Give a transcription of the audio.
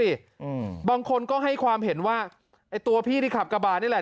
อืมบางคนก็ให้ความเห็นว่าไอ้ตัวพี่ที่ขับกระบาดนี่แหละ